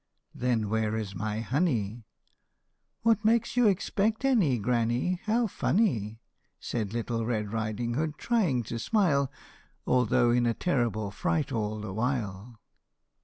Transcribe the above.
" Then where is my honey r "" What makes you expect any, granny ? How funny !" Said Little Red Riding Hood, trying to smile, Although in a terrible fright all the while.